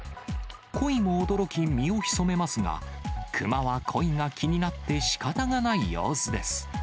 コイも驚き身を潜めますが、クマはコイが気になってしかたがない様子です。